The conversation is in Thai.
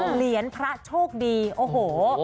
เหรียญพระโชคดีโอ้โห